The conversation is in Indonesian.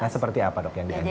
seperti apa yang dianjurkan